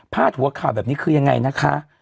หัวข่าวแบบนี้คือยังไงนะคะ